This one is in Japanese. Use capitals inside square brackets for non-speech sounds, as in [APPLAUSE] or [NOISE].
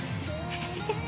ハハハ [LAUGHS]